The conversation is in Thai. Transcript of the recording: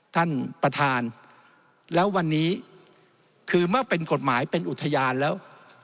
ท่านประธานแล้ววันนี้คือเมื่อเป็นกฎหมายเป็นอุทยานแล้ว